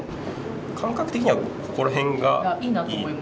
感覚的にはここらへんがいいかなと。